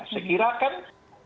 sekiranya kan kan